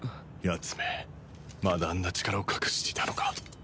つめまだあんな力を隠していたのか。